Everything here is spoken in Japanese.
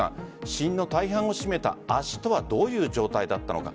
死因の大半を占めた圧死はどういう状態だったのか。